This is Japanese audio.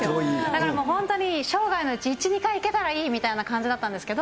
だからもう、本当に生涯のうち１、２回行けたらいいみたいな感じだったんですけど。